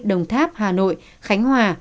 đồng tháp hà nội khánh hòa